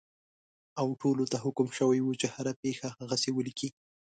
او ټولو ته حکم شوی وو چې هره پېښه هغسې ولیکي.